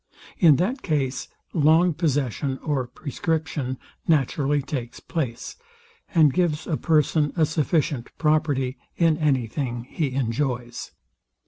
In that case long possession or prescription naturally takes place, and gives a person a sufficient property in any thing he enjoys.